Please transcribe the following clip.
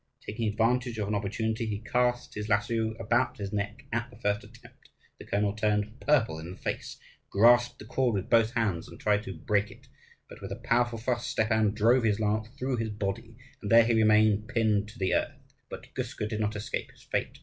Taking advantage of an opportunity, he cast his lasso about his neck at the first attempt. The colonel turned purple in the face, grasped the cord with both hands, and tried to break it; but with a powerful thrust Stepan drove his lance through his body, and there he remained pinned to the earth. But Guska did not escape his fate.